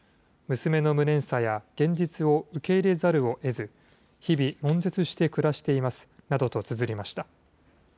娘の無念さや現実を受け入れざるをえず、日々、もん絶して暮らしていますなどとつづりました。